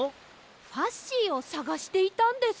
ファッシーをさがしていたんです。